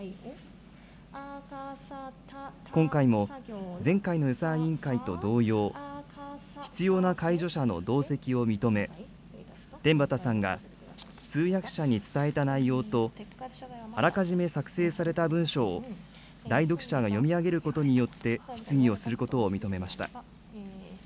今回も、前回の予算委員会と同様、必要な介助者の同席を認め、天畠さんが通訳者に伝えた内容とあらかじめ作成された文章を代読者が読み上げることによって、質疑をすることを認めました。